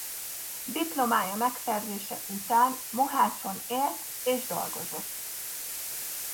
Diplomája megszerzése után Mohácson élt és dolgozott.